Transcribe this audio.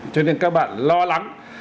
cho nên các bạn lo lắng